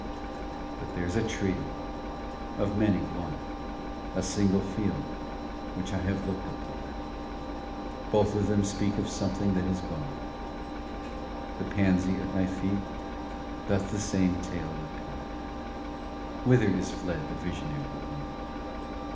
—But there's a Tree, of many one, A single Field which I have look'd upon, Both of them speak of something that is gone: The Pansy at my feet Doth the same tale repeat: Whither is fled the visionary gleam?